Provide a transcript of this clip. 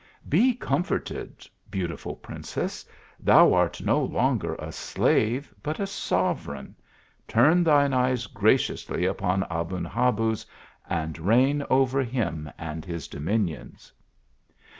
" Be comforted, beautiful princess thou art no longer a slave, but a sovereign ; turn thine eyes gra ciously upon Aben Habuz, and reign over him and his dominions."